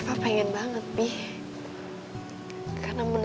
walaupun rozalo weed fora automobili dasarnya koy